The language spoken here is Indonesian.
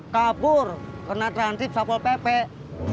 kapur kena transip sapol pepek